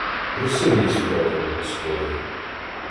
— Русин єсмь родом, господарю.